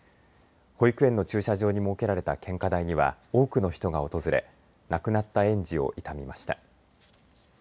保育園の駐車場に設けられた献花台には多くの人が訪れ亡くなった園児を悼みました。